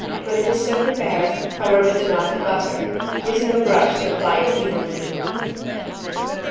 When it is so prepared cover with the melted butter, using a brush to apply it evenly.